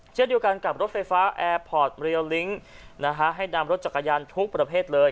เช่นเดียวกันกับรถไฟฟ้าแอร์พอร์ตเรียลลิ้งให้นำรถจักรยานทุกประเภทเลย